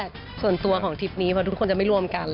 ค่ะศนตัวของผู้ที่ยังไม่รวมกัน